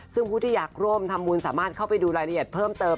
ซึ่งผู้ที่อยากร่วมทำบุญสามารถเข้าไปดูรายละเอียดเพิ่มเติม